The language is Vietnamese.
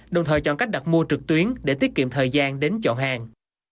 đồng thời chọn cách đặt mua trực tuyến để tiết kiệm thời gian đến chọn hàng